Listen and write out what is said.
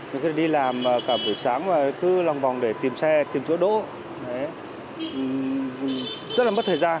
có khi đi làm cả buổi sáng và cứ lòng vòng để tìm xe tìm chỗ đỗ rất là mất thời gian